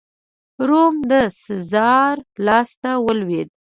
روم د سزار لاسته ولوېد.